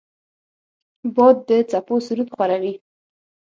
باد د څپو سرود خواره وي